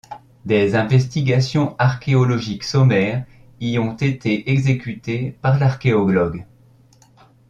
Des investigations archéologiques sommaires y ont été exécutées par l'archéologue.